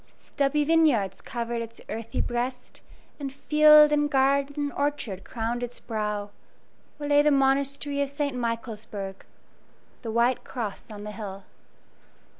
Stubby vineyards covered its earthy breast, and field and garden and orchard crowned its brow, where lay the Monastery of St. Michaelsburg "The White Cross on the Hill."